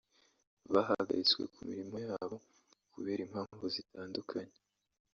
bahagaritswe ku mirimo yabo kubera impamvu zitandukanye